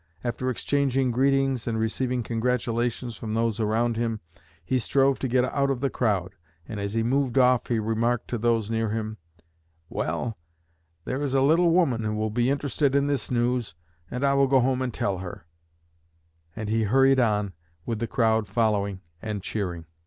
After exchanging greetings and receiving congratulations from those around him, he strove to get out of the crowd, and as he moved off he remarked to those near him: 'Well, there is a little woman who will be interested in this news, and I will go home and tell her,' and he hurried on, with the crowd following and cheering."